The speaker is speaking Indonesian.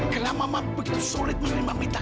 kenapa mama begitu sulit menerima mita